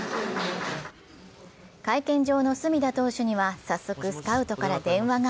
会見場の隅田投手には早速、スカウトから電話が。